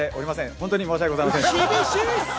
誠に申し訳ございません。